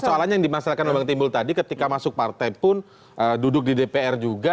soalnya yang dimasalahkan oleh bang timbul tadi ketika masuk partai pun duduk di dpr juga